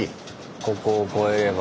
ここを越えれば。